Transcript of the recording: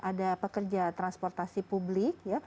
ada pekerja transportasi publik